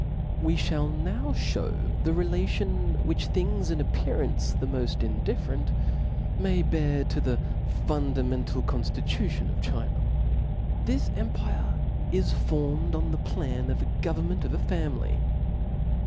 We fhall now (hew the relation which things in appearance the moft indifferent, may have to the fundamental conflitution of China. This empire is formed on the plan of a government of a family.